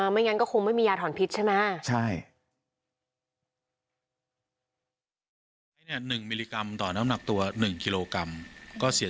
ไม่งั้นก็คงไม่มียาถอนพิษใช่ไหม